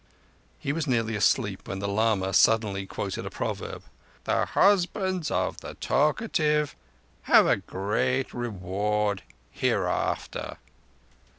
He was nearly asleep when the lama suddenly quoted a proverb: "The husbands of the talkative have a great reward hereafter."